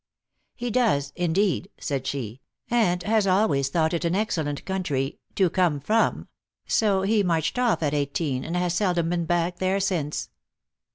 "He does," indeed," said she; u and has always thought it an excellent country to come from ; so he marched oft at eighteen, and has seldom been hack there since."